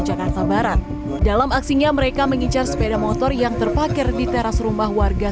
jakarta barat dalam aksinya mereka mengincar sepeda motor yang terpakir di teras rumah warga